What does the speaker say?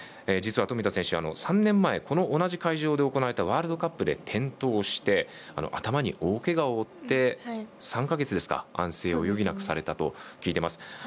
実は冨田選手３年前この同じ会場で行われたワールドカップで転倒して頭に大けがを負って３か月ですか安静を余儀なくされたと聞いています。